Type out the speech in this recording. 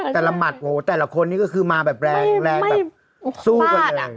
แต่ละมัดแต่ละคนนี้ก็คือมาแบบแรงแรงแบบสู้กันเลย